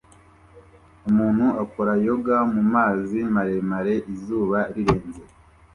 Umuntu akora yoga mu mazi maremare izuba rirenze